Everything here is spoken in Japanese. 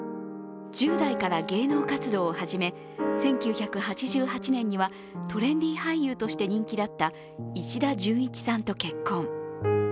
１０代から芸能活動を始め１９８８年にはトレンディー俳優として人気だった石田純一さんと結婚。